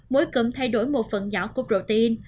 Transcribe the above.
mỗi cụm thay đổi một phần nhỏ của protein